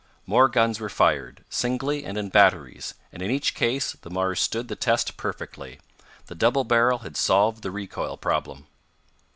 More guns were fired, singly and in batteries, and in each case the Mars stood the test perfectly. The double barrel had solved the recoil problem.